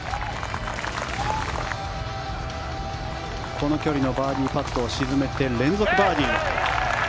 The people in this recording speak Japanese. この距離のバーディーパットを沈めて連続バーディー。